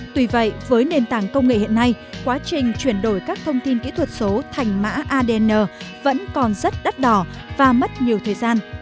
tuy vậy với nền tảng công nghệ hiện nay quá trình chuyển đổi các thông tin kỹ thuật số thành mã adn vẫn còn rất đắt đỏ và mất nhiều thời gian